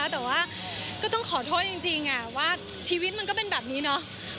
แต่ว่าก็ต้องขอโทษจริงว่าชีวิตมันก็เป็นแบบนี้เนาะ